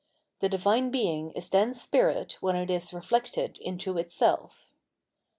The Divine Being is then Spirit when it is reflected into itself.